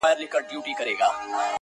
څه پیسې لرې څه زر څه مرغلري،